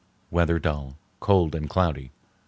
Weather dull. Cold and cloudy.